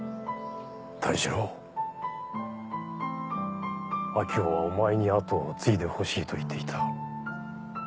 明生はお前に跡を継いでほしいと言っていた。